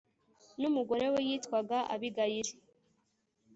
n’umugore we yitwaga Abigayili.